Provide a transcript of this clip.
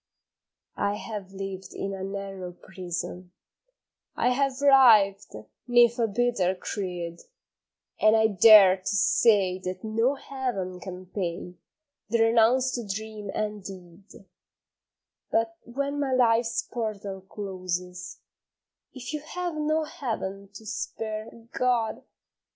I have lived in a narrow prison, I have writhed 'neath a bitter creed, And I dare to say that no heaven can pay The renounced dream and deed, But when my life's portal closes, If you have no heaven to spare God!